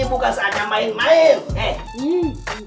ini bukan saja main main